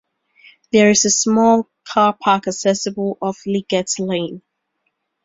There is a small car park accessible off Lidget Lane.